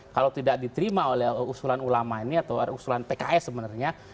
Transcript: kalau tidak diterima oleh usulan ulama ini atau usulan pks sebenarnya